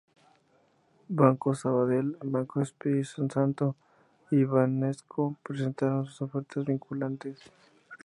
Banco Sabadell, Banco Espírito Santo y Banesco presentaron sus ofertas vinculantes.